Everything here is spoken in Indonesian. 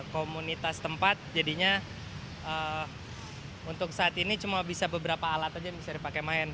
komunitas tempat jadinya untuk saat ini cuma bisa beberapa alat aja yang bisa dipakai main